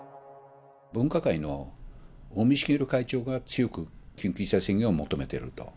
分科会の尾身茂会長が、強く緊急事態宣言を求めていると。